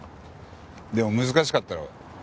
でも難しかったろ。